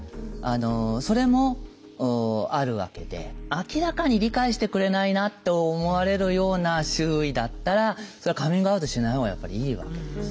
それもあるわけで明らかに理解してくれないなと思われるような周囲だったらそれはカミングアウトしないほうがやっぱりいいわけです。